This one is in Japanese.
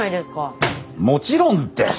もちろんです！